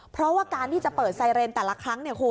เพราะว่าการที่จะเปิดไฟเรนแต่ละครั้ง